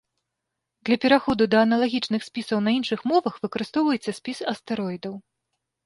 Для пераходу да аналагічных спісаў на іншых мовах выкарыстоўвайце спіс астэроідаў.